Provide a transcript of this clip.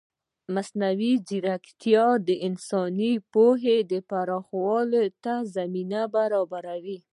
مصنوعي ځیرکتیا د انساني پوهې پراخولو ته زمینه برابروي.